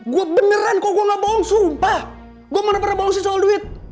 gue beneran kok gue gak bohong sumpah gue mana pernah bohong sih soal duit